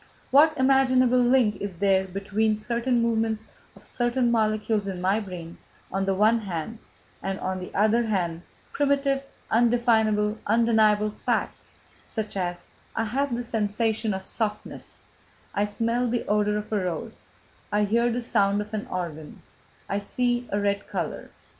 What imaginable link is there between certain movements of certain molecules in my brain, on the one hand, and on the other hand primitive, undefinable, undeniable facts such as: I have the sensation of softness, I smell the odour of a rose, I hear the sound of an organ, I see a red colour, &c...."